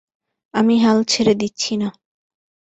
আমি হাল ছেড়ে দিচ্ছি না।